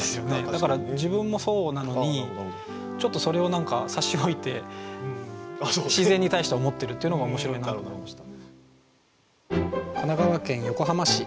だから自分もそうなのにちょっとそれを何か差し置いて自然に対して思ってるっていうのが面白いなと思いました。